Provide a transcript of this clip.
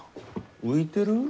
浮いてる？